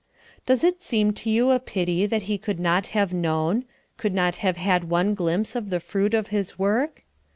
Does it seem to you a pity that he could not have known could not have had one glimpse of the fruit of his work?